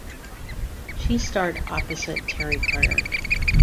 She starred opposite Terry Carter.